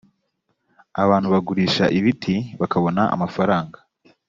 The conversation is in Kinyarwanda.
abantu bagurisha ibiti bakabona amafaranga